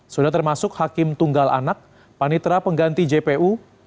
sudah termasuk hakim tunggal anak panitra pengganti jpu